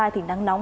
thì nắng nóng